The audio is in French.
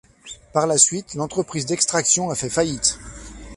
Par la suite, l'entreprise d'extraction a fait faillite.